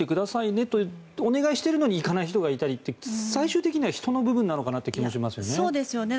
ねとお願いしても行かない人がいたりと最終的には人の部分なのかなという気がしますよね。